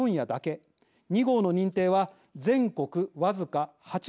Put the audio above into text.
２号の認定は全国僅か８人。